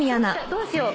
どうしよう？